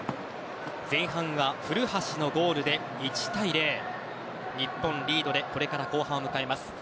前半は、古橋のゴールで１対０日本、リードでこれから後半を迎えます。